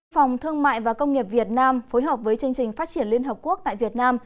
phòng thương mại và công nghiệp việt nam phối hợp với chương trình phát triển liên hợp quốc tại việt nam